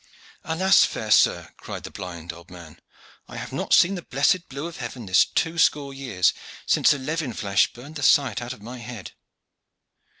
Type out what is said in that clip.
"Alas! fair sir," cried the blind old man, "I have not seen the blessed blue of heaven this two score years, since a levin flash burned the sight out of my head."